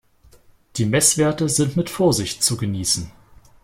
Die Messwerte sind mit Vorsicht zu genießen.